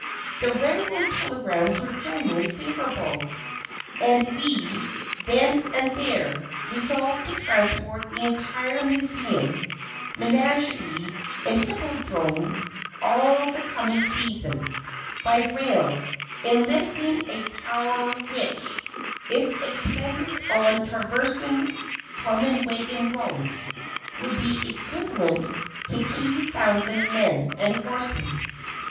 The railroad telegrams were generally favorable, and we, then and there, resolved to transport the entire Museum, Menagerie and Hippodrome, all of the coming season, by rail, enlisting a power which, if expended on traversing common wagon roads, would be equivalent to two thousand men and horses.